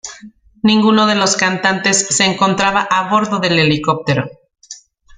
Ninguno de los cantantes se encontraba a bordo del helicóptero.